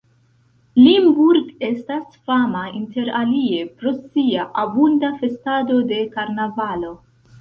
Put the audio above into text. Limburg estas fama interalie pro sia abunda festado de karnavalo.